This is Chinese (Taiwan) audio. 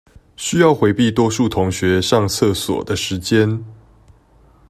需要迴避多數同學上廁所的時間